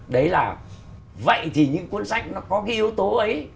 đấy là vậy thì những cuốn sách nó có cái yếu tố ấy